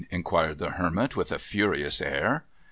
inquired the Hermit, with a furious air.